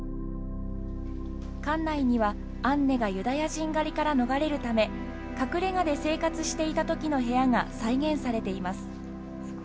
館内にはアンネがユダヤ人狩りから逃れるため隠れがで生活していた時の部屋が再現されています